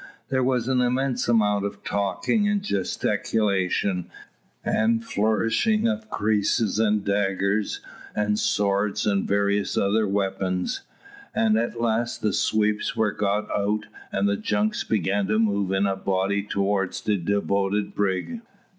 There was an immense amount of talking and gesticulation, and flourishing of creeses, and daggers, and swords, and various other weapons; and at last the sweeps were got out, and the junks began to move in a body towards the devoted brig.